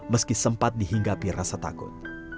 meski sempat dihinggapi rasa takut